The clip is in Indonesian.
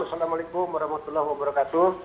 assalamualaikum warahmatullahi wabarakatuh